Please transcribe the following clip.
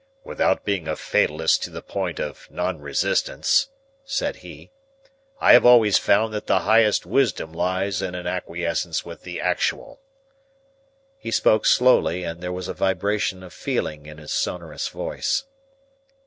"Without being a fatalist to the point of nonresistance," said he, "I have always found that the highest wisdom lies in an acquiescence with the actual." He spoke slowly, and there was a vibration of feeling in his sonorous voice.